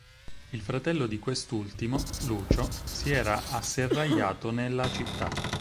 Il fratello di quest'ultimo, Lucio, si era asserragliato nella città.